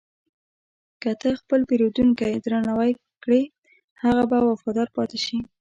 که ته خپل پیرودونکی درناوی کړې، هغه به وفادار پاتې شي.